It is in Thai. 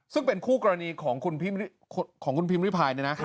ซึ่งเป็นคู่กรณีของคุณพิมพิพายเนี่ยนะ